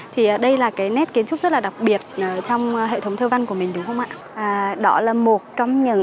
thì đây là cái nét kiến trúc rất là đặc biệt trong hệ thống thơ văn của mình đúng không ạ